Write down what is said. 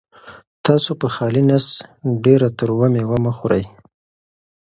تاسو په خالي نس ډېره تروه مېوه مه خورئ.